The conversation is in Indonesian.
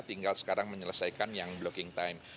tinggal sekarang menyelesaikan yang blocking time